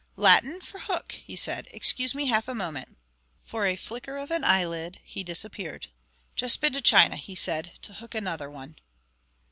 "Latin for hook," he said. "Excuse me half a moment." For a flicker of an eyelid he disappeared. "Just been to China," he said, "to hook another one."